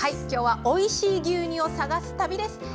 今日はおいしい牛乳を探す旅です。